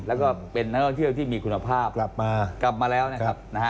แล้วก็เป็นนักท่องเที่ยวที่มีคุณภาพกลับมากลับมาแล้วนะครับนะฮะ